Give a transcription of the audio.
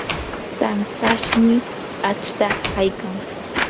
tankashmi aqtsaa kaykan.